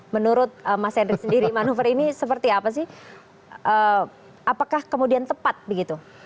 menurut mas henry sendiri manuver ini seperti apa sih apakah kemudian tepat begitu